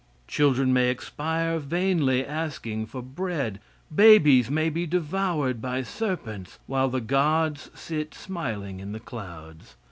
Children may expire vainly asking for bread; babies may be devoured by serpents, while the gods sit smiling in the clouds.